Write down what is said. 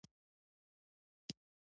بید ونه ولې د اوبو تر څنګ وي؟